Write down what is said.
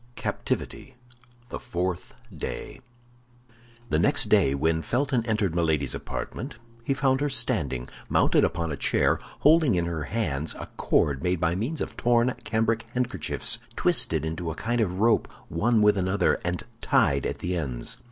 CAPTIVITY: THE FOURTH DAY The next day, when Felton entered Milady's apartment he found her standing, mounted upon a chair, holding in her hands a cord made by means of torn cambric handkerchiefs, twisted into a kind of rope one with another, and tied at the ends.